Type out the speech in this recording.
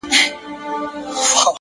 وخت د ژوند تر ټولو قیمتي پانګه ده!